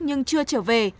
nhưng chưa trở về